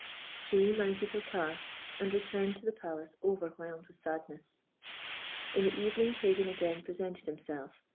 She remounted her car, and returned to the Palace overwhelmed with sadness. In the evening Pagan again presented himself.